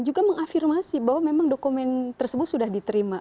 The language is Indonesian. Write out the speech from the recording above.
juga mengafirmasi bahwa memang dokumen tersebut sudah diterima